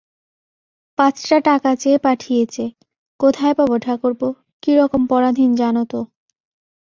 পাঁচটা টাকা চেয়ে পাঠিয়েচে, কোথায পাবো ঠাকুরপো, কি রকম পরাধীন জানো তো?